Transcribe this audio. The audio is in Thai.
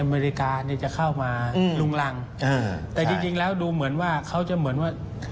อเมริกานี่จะเข้ามาลุงรังแต่จริงจริงแล้วดูเหมือนว่าเขาจะเหมือนว่า